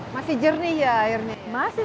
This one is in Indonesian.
masih jernih ya akhirnya masih